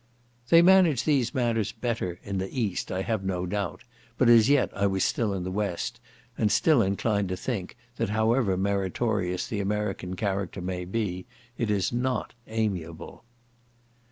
"They manage these matters better" in the East, I have no doubt, but as yet I was still in the West, and still inclined to think, that however meritorious the American character may be, it is not amiable.